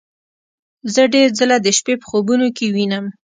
زه ډیر ځله د شپې په خوبونو کې وینم